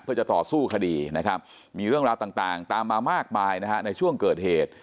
เพื่อจะต่อสู้คดีนะครับมีเรื่องราวต่างตามมามากมายนะฮะในช่วงเกิดเหตุ